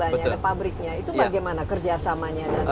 pemiliknya pabriknya itu bagaimana kerjasamanya